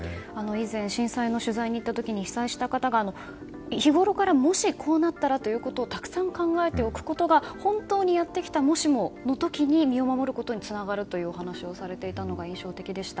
以前、震災の取材に行った時に被災した方が日ごろから、もしこうなったらということをたくさん考えておくことが本当にやってきた、もしもの時に身を守ることにつながるというお話をされていたのが印象的でした。